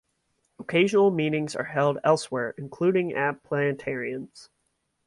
Occasional meetings are held elsewhere including at planetariums.